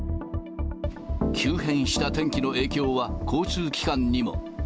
急変した天気の影響は、交通機関にも。